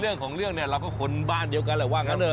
เรื่องของเรื่องเนี่ยเราก็คนบ้านเดียวกันแหละว่างั้นเถ